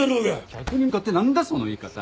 客に向かって何だその言い方。